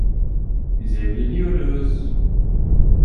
Biz evleniyoruz.